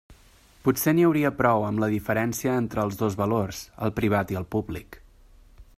Potser n'hi hauria prou amb la diferència entre els dos valors, el privat i el públic.